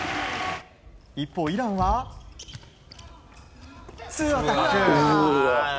一方イランは、２アタック。